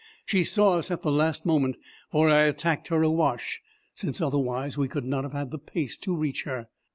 She saw us at the last moment, for I attacked her awash, since otherwise we could not have had the pace to reach her.